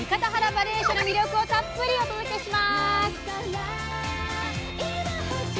ばれいしょの魅力をたっぷりお届けします！